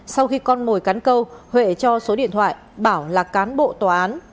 sau khi con mồi cắn câu huệ cho số điện thoại bảo là cán bộ tòa án